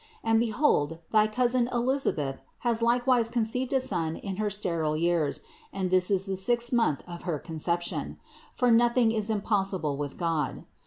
And behold, thy cousin Elisa beth has likewise conceived a son in her sterile years and this is the sixth month of her conception ; for noth ing is impossible with God.